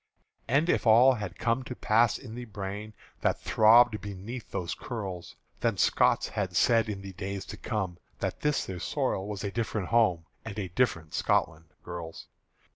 And if all had come to pass in the brain That throbbed beneath those curls, Then Scots had said in the days to come That this their soil was a different home And a different Scotland, girls!